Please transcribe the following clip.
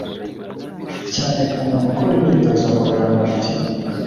cyane ku muntu ukora imyitozo ngororamibiri